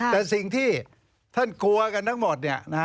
แต่สิ่งที่ท่านกลัวกันทั้งหมด